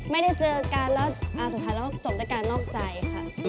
ไม่ได้เจอกันแล้วสุดท้ายแล้วจบด้วยการนอกใจค่ะ